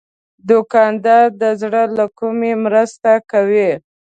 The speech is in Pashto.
دوکاندار د زړه له کومي مرسته کوي.